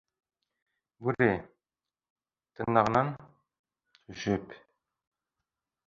Бүре... тырнағынан... төшөп...